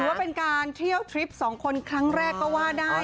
ว่าเป็นการเที่ยวทริปสองคนครั้งแรกก็ว่าได้